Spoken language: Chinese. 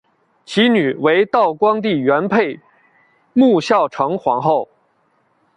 其女为道光帝元配孝穆成皇后。